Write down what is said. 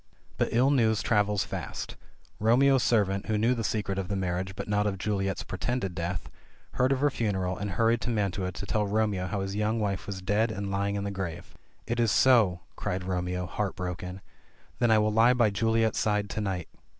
But ill news travels fast. Romeo's servant, who knew the secret of the marriage but not of Juliet's pretended death, heard of her fu neral, and hurried to Mantua to tell Romeo how his young wife was dead and lying in the grave. "Is it so!'' cried Romeo, heart broken. "Then I will lie by Juliet's side to night."